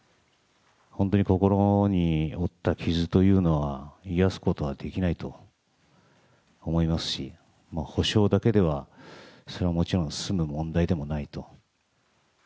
心に負った傷というのは癒やすことはできないと思いますし、補償だけではそれはもちろん済む問題でもないと。